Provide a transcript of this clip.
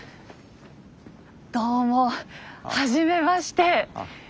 どうもはじめまして。